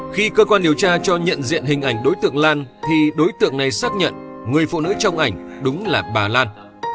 khi cơ quan điều tra cho nhận diện hình ảnh đối tượng lan thì đối tượng này xác nhận người phụ nữ trong ảnh đúng là bà lan